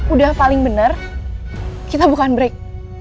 udah paling benar kita bukan break